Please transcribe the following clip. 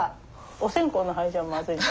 お線香の灰じゃまずいかな？